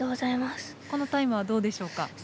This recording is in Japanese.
このタイムはどうでしょうか。